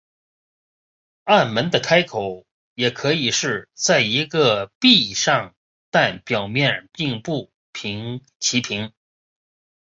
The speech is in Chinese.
暗门的开口也可以是在一个壁上但表面并不齐平。